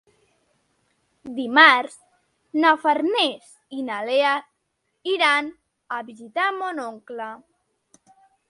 Dimarts na Farners i na Lea iran a visitar mon oncle.